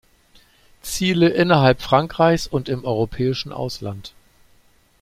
Ziele innerhalb Frankreichs und im europäischen Ausland.